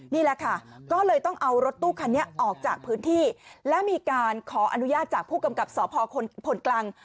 นี่แหละค่ะก็เลยต้องเอารถตู้คันนี้ออกจากพื้นที่และมีการขออนุญาตจากผู้กำกับสพพลกรัง